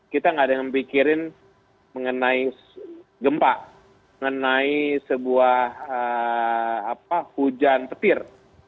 kita nggak ada yang memikirin mengenai gempa mengenai sebuah hujan petir